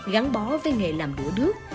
gắn bó với nghề làm đũa đước